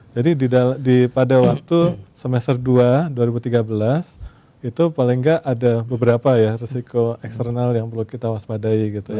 jadi pada waktu semester dua dua ribu tiga belas itu paling gak ada beberapa ya resiko eksternal yang perlu kita waspadai gitu ya